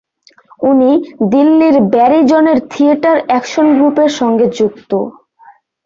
উনি দিল্লীর ব্যারি জনের থিয়েটার অ্যাকশন গ্রুপের সঙ্গে যুক্ত।